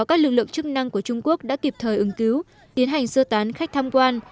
các lực lượng chức năng của trung quốc đã kịp thời ứng cứu tiến hành sơ tán khách tham quan